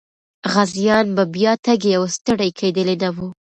غازيان به بیا تږي او ستړي کېدلي نه وو.